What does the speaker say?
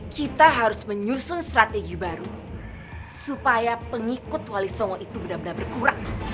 kita harus menyusun strategi baru supaya pengikut wali songo itu benar benar berkurang